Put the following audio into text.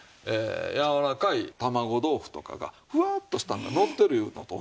やわらかい卵豆腐とかがふわっとしたのがのってるいうのと同じなんですよ。